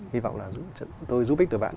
hy vọng là tôi giúp ích được bạn